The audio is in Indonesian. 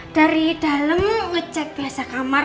dari dalam ngecek biasa kamar